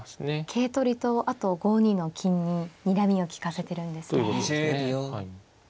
桂取りとあと５二の金ににらみを利かせてるんですね。ということですね。